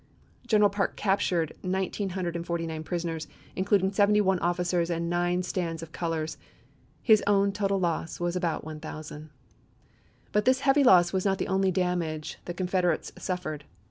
General Parke captured 1949 prisoners, including seventy one officers and nine stands of colors; his own total loss was about 1000. But this heavy loss was not the only damage the Confederates suffered.